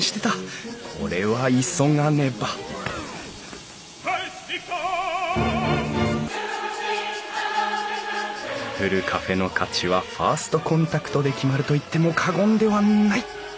これは急がねばふるカフェの価値はファーストコンタクトで決まると言っても過言ではない！